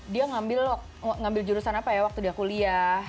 dia ngambil jurusan apa ya waktu dia kuliah